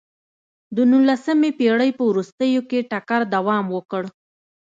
د نولسمې پېړۍ په وروستیو کې ټکر دوام وکړ.